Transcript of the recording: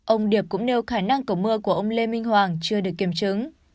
ông điệp cũng nêu khả năng cầu mưa của ông lê minh hoàng chưa được kiểm chứng